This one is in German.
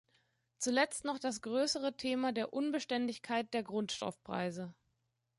Zuletzt noch das größere Thema der Unbeständigkeit der Grundstoffpreise.